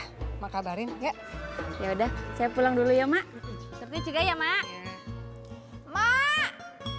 sama kabarin ya ya udah saya pulang dulu ya mak juga ya mak mak